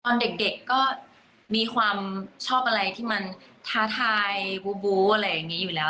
ตอนเด็กก็มีความชอบอะไรที่มันท้าทายบูอะไรอย่างนี้อยู่แล้ว